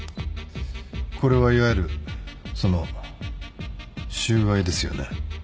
これはいわゆるその収賄ですよね？